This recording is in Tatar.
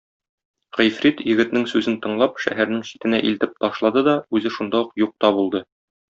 Гыйфрит, егетнең сүзен тыңлап, шәһәрнең читенә илтеп ташлады да үзе шунда ук юк та булды.